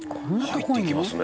「入っていきますね」